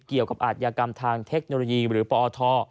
เกี่ยวกับอาชญากรรมทางเทคโนโลยีหรือปอท